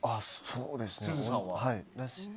そうですね。